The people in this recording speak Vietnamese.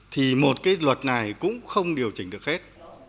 thì một cái luật này cũng không điều chỉnh được hết